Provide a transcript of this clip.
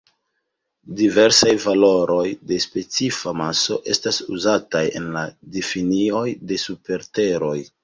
Diversaj valoroj de specifa maso estas uzataj en la difinoj de super-Teroj.